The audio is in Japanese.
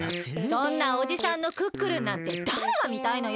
そんなおじさんのクックルンなんてだれがみたいのよ！